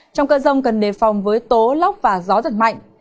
trong cơn rông cần đề phòng với tố lóc và gió thật mạnh